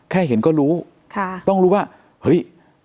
แค่เห็นก็รู้ต้องรู้ว่าเฮ้ย